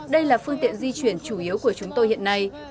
đây là phương tiện di chuyển chủ yếu của chúng tôi hiện nay